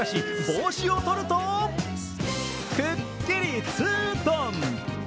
帽子をとると、くっきりツートン。